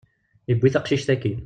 Yewwi taqcict akkin.